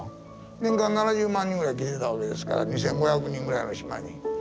年間７０万人ぐらい来てたわけですから２，５００人ぐらいの島に。